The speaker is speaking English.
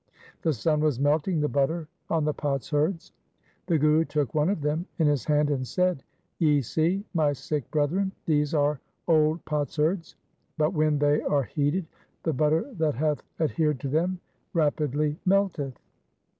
The sun was melting the butter on the potsherds. The Guru took one of them in his hand and said, ' Ye see, my Sikh brethren, these are old potsherds, but when they are heated, the butter that hath adhered to them rapidly melteth.